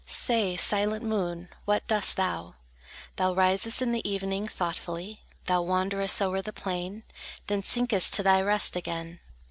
Say, silent moon, what doest thou? Thou risest in the evening; thoughtfully Thou wanderest o'er the plain, Then sinkest to thy rest again.